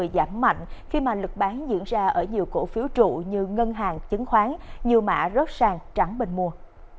giảm mạnh khi mà lực bán diễn ra ở nhiều cổ phiếu trụ như ngân hàng chứng khoán nhiều mã rớt sàng trắng bình mua